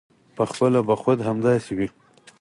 پخپله به خود همداسې وي.